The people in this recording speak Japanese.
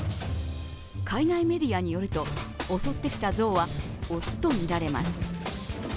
海外メディアによると、襲ってきた象は雄とみられます。